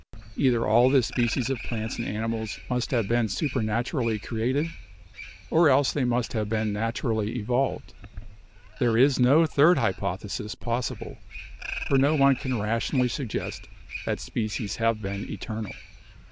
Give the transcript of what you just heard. Either all the species 126 BIOLOGY of plants and animals must have been supernaturally created, or else they must have been naturally evolved. There is no third hypothesis possible; for no one can rationally suggest that species have been eternal.